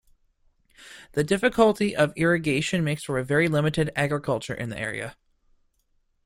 The difficulty of irrigation makes for a very limited agriculture in the area.